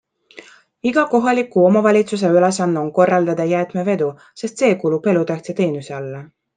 Iga kohaliku omavalitsuse ülesanne on korraldada jäätmevedu, sest see kuulub elutähtsa teenuse alla.